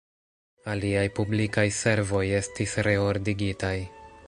Aliaj publikaj servoj estis “reordigitaj.